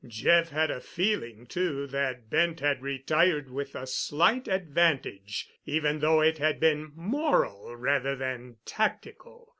Jeff had a feeling, too, that Bent had retired with a slight advantage, even though it had been moral rather than tactical.